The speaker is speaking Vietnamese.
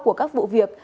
của các vụ việc